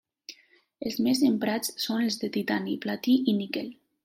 Els més emprats són els de titani, platí i niquel.